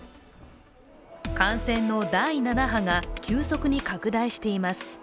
感染の第７波が急速に拡大しています。